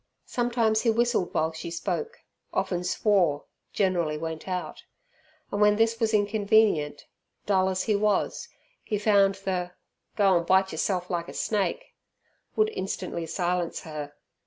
Sometimes he whistled while she spoke, often swore, generally went out, and when this was inconvenient, dull as he was, he found the "Go and bite yerself like a snake", would instantly silence her.